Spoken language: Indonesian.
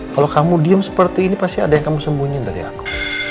kalau kamu diem seperti ini pasti ada yang kamu sembunyiin dari aku